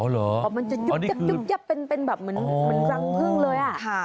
อ๋อเหรออ๋อนี่คือมันจะยุบเป็นแบบเหมือนรังพึ่งเลยอ่ะ